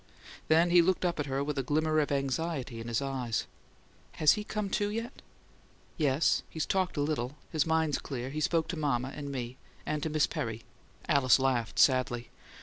Then he looked up at her with a glimmer of anxiety in his eyes. "Has he came to yet?" "Yes. He's talked a little. His mind's clear; he spoke to mama and me and to Miss Perry." Alice laughed sadly.